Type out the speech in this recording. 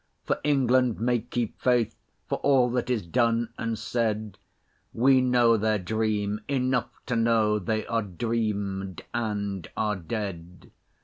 For England may keep faith For all that is done and said. We know their dream; enough To know they dreamed and are dead.